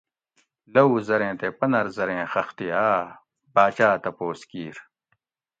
لوؤ زریں تے پنر زریں خختی آۤ؟ باچاۤ تپوس کِیر